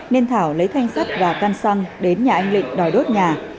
nên thảo lấy thanh sắt và căn xăng đến nhà anh lĩnh đòi đốt nhà